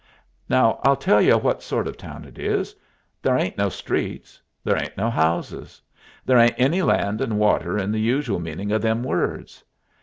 _ Now I'll tell y'u what sort of a town it is. There ain't no streets. There ain't no houses. There ain't any land and water in the usual meaning of them words.